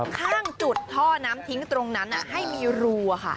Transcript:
ข้างจุดท่อน้ำทิ้งตรงนั้นน่ะให้มีรูอ่ะค่ะ